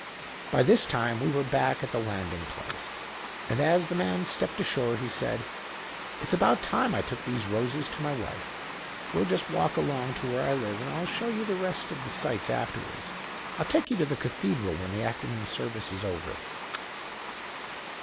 "By this time we were back at the landing place, and as the man stepped ashore he said: 'It's about time I took these roses to my wife. We'll just walk along to where I live, and I'll show you the rest of the sights afterwards. I'll take you to the Cathedral when the afternoon service is over.'